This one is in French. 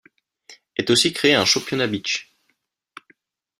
Est aussi créé un Championnat Beach.